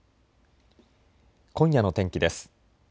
今夜の天気です。